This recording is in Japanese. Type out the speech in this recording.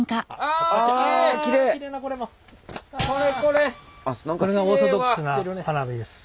これがオーソドックスな花火です。